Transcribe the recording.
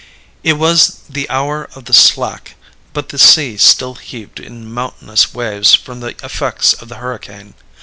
"It was the hour of the slack, but the sea still heaved in mountainous waves from the effects of the hurricane.